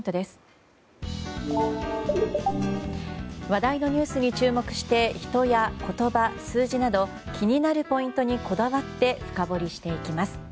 話題のニュースに注目して人や言葉、数字など気になるポイントにこだわって深掘りしていきます。